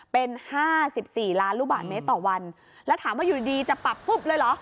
เป็น๕๔ล้านลูกบาทเมตรต่อวันแล้วถามว่าอยู่ดีจะปรับปุ๊บเลยเหรอ